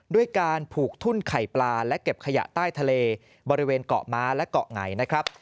ด้วยการผูกทุ่นไข่ปลาและเก็บขยะใต้ทะเลบริเวณเกาะม้าและเกาะไงนะครับ